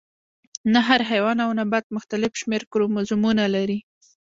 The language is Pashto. نه هر حیوان او نبات مختلف شمیر کروموزومونه لري